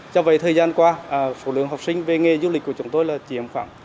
do vậy thời gian qua số lượng học sinh về nghề du lịch của chúng tôi là chiếm khoảng